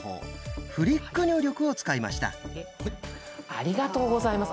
ありがとうございます。